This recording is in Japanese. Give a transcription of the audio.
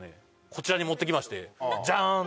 こちらに持ってきましてジャーン！